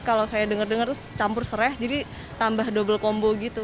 kalau saya dengar dengar terus campur serai jadi tambah double combo gitu